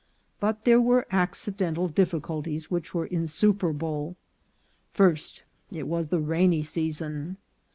But there were accidental difficulties which were insuperable. First, it was the rainy season.